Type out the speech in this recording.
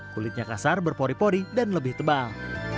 kulitnya kasar berpori pori dan lebih tebal